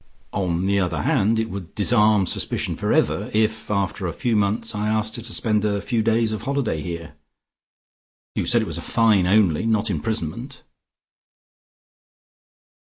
On the other hand, it would disarm suspicion for ever, if, after a few months, I asked her to spend a few days of holiday here. You said it was a fine only, not imprisonment?"